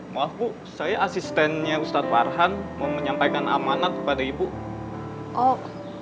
maaf saya asistennya ustadz farhan menyampaikan amanat kepada ibu oh